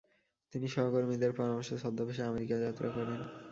তিনি সহকর্মীদের পরামর্শে ছদ্মবেশে আমেরিকা যাত্রা করেন ।